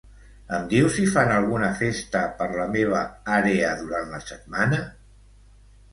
Em dius si fan alguna festa per la meva àrea durant la setmana?